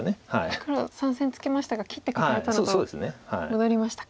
黒３線ツケましたが切ってカカえたのと戻りましたか。